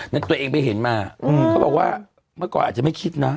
เมื่อก่ออาจจะไม่คิดนะ